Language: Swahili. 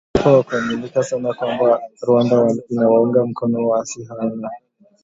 wana taarifa za kuaminika sana kwamba Rwanda inaunga mkono waasi hao na